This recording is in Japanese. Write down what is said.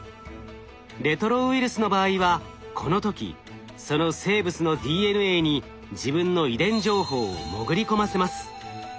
レトロウイルスの場合はこの時その生物のＤＮＡに自分の遺伝情報を潜り込ませます。